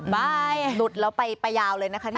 บ๊ายหลุดแล้วไปยาวเลยนะคะทีนี้